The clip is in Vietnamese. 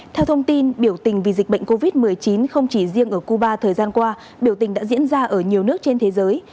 theo thông tin biểu tình vì dịch bệnh covid một mươi chín không chỉ riêng ở cuba thời gian qua biểu tình đã diễn ra ở nhiều nước trên thế giới